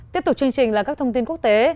tiếp tục chương trình là các thông tin quốc tế